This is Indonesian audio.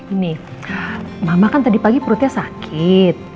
ini mama kan tadi pagi perutnya sakit